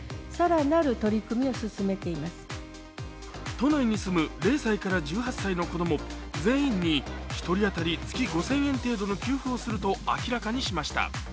都内に住む０歳から１８歳の子供全員に一人当たり月５０００円程度の給付をすると明らかにしました。